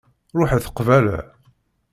Ruḥet qbala.